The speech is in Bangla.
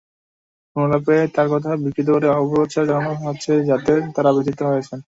ফোনালাপে তাঁর কথা বিকৃত করে অপপ্রচার চালানো হচ্ছে, যাতে তাঁরা ব্যথিত হয়েছেন।